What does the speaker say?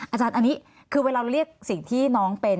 อาจารย์อันนี้คือเวลาเราเรียกสิ่งที่น้องเป็น